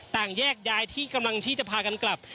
แยกย้ายที่กำลังที่จะพากันกลับ